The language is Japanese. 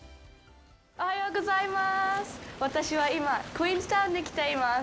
おはようございます。